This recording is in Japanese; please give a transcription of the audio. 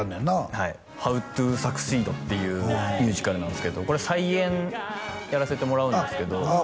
はい「ハウ・トゥー・サクシード」っていうミュージカルなんですけどこれ再演やらせてもらうんですけどあっ